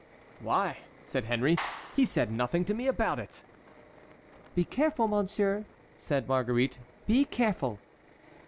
"Why," said Henry, "he said nothing to me about it!" "Be careful, monsieur," said Marguerite, "be careful."